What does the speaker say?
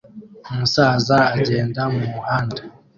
umusaza agenda mumuhanda